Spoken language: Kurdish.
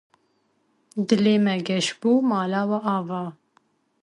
dilê me geş bû mala we ava